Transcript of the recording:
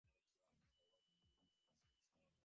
কুমু বললে, দেখো, নিষ্ঠুর হও তো হোয়ো, কিন্তু ছোটো হোয়ো না।